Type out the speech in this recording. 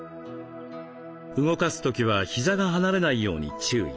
動かす時はひざが離れないように注意。